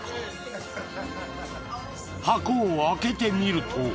［箱を開けてみると］